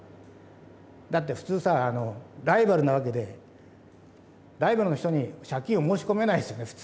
だって普通さライバルなわけでライバルの人に借金を申し込めないですよね普通。